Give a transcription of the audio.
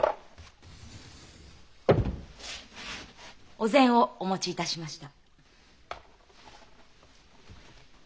お膳をお持ち致しました。